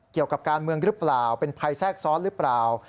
เกี่ยวกับการเมืองหรือเปล่าเป็นภัยแทรกซ้อนหรือเปล่า